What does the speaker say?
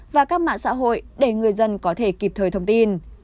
và các mạng xã hội để người dân có thể kịp thời thông tin